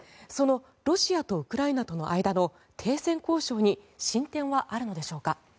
そのロシアとウクライナとの間の停戦交渉に進展はあるのでしょうか。